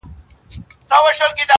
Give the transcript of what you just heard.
سلطنت وو په ځنګلو کي د زمریانو-